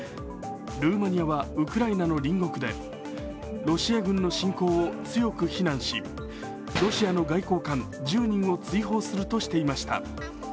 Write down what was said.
ルーマニアはウクライナの隣国でロシア軍の侵攻を強く非難しロシアの外交官１０人を追放するとしていました。